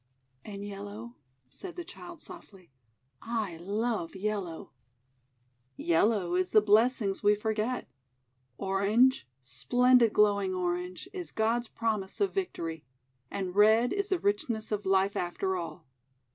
;<And Yellow?' said the Child softly. 'I love Yellow!' ; Yellow is the Blessings We Forget. Orange, splendid glowing Orange, is God's Promise of Victory, and Red is the Richness of Life After All."